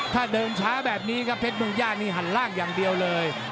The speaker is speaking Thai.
ถ้าเดินช้าแบบนี้ครับเพชรเมืองย่านี่หันล่างอย่างเดียวเลย